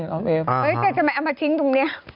เฮ้ยแต่ทำไมเอามาทิ้งตรงนี้